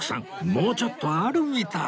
もうちょっとあるみたい